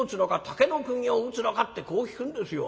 竹の釘を打つのか？』ってこう聞くんですよ。